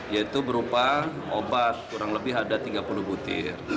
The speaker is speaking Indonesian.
yaitu berupa obat kurang lebih ada tiga puluh butir